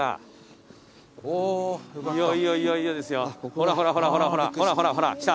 ほらほらほらほらほらほらほらほらきた。